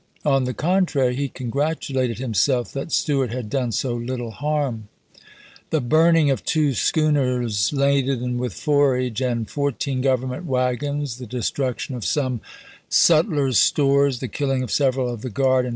On the contrary he con gratulated himself that Stuart had done so little harm. The burning of two schooners laden with forage, and fourteen Government wagons, the destruction of some THE SEVEN DAYS' BATTLES 419 sutlers' stores, the killing of several of the guard and ch.